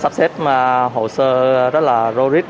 sắp xếp hồ sơ rất là rô rít